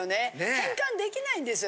変換できないんですよ